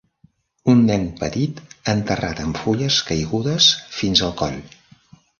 Un nen petit enterrat amb fulles caigudes fins el coll.